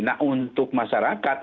nah untuk masyarakat